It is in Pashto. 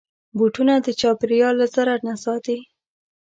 بوټونه د چاپېریال له ضرر نه ساتي.